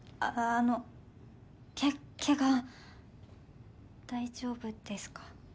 あのケケガ大丈夫ですか？